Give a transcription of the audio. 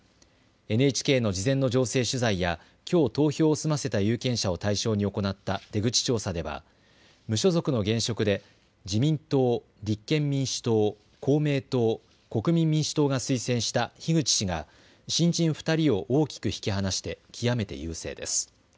ＮＨＫの事前の情勢取材やきょう投票を済ませた有権者を対象に行った出口調査では無所属の現職で自民党、立憲民主党、公明党、国民民主党が推薦した樋口氏が新人２人を大きく引き離して極めて優勢です。